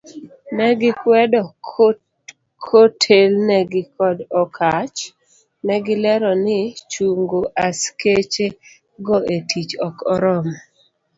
Ne gikwedo kotelnegi kod Okatch, negilero ni chungo askechego etich ok oromo.